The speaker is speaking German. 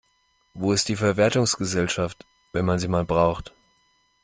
Wo ist die Verwertungsgesellschaft, wenn man sie mal braucht?